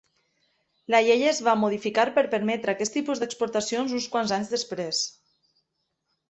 La llei es va modificar per permetre aquest tipus d'exportacions uns quants anys després.